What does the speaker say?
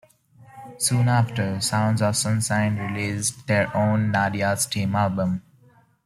Soon after, Sounds of Sunshine released their own "Nadia's Theme" album.